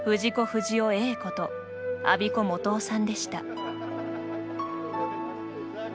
不二雄Ａこと安孫子素雄さんでした。